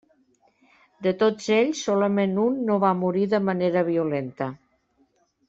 De tots ells, solament un no va morir de manera violenta.